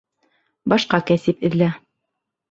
Башҡа кәсеп эҙлә.